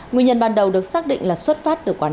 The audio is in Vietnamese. nguyên nhân ban đầu được xác định là xuất phát từ quán